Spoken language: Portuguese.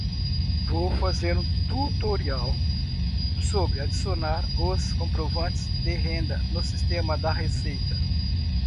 Vou fazer um tutorial sobre adicionar os comprovantes de renda no sistema da Receita